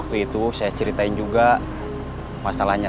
kopi saya udah tinggal ampasnya